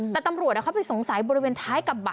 แต่ตำรวจเขาไปสงสัยบริเวณท้ายกระบะ